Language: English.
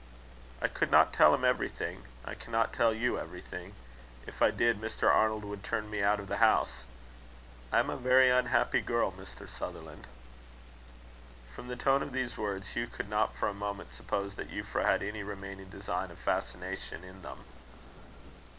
"I could not tell him everything. I cannot tell you everything. If I did, Mr. Arnold would turn me out of the house. I am a very unhappy girl, Mr. Sutherland." From the tone of these words, Hugh could not for a moment suppose that Euphra had any remaining design of fascination in them.